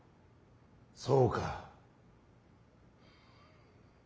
そうか。